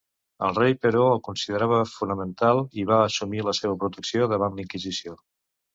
El rei, però, el considerava fonamental i va assumir la seva protecció davant la Inquisició.